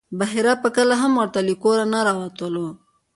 بحیرا به کله هم ورته له کوره نه راوتلو.